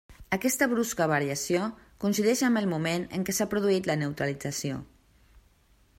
Aquesta brusca variació coincideix amb el moment en què s'ha produït la neutralització.